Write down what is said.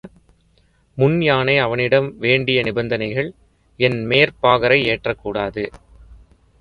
முன் யானை அவனிடம் வேண்டிய நிபந்தனைகள், என்மேற் பாகரை ஏற்றக்கூடாது.